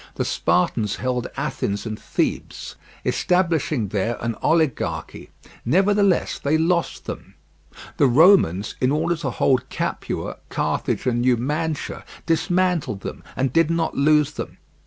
The Spartans held Athens and Thebes, establishing there an oligarchy: nevertheless they lost them. The Romans, in order to hold Capua, Carthage, and Numantia, dismantled them, and did not lose them.